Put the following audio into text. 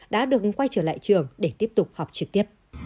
đã được quay trở lại trường để tiếp tục học trực tiếp